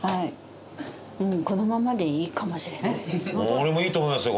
俺もいいと思いますよ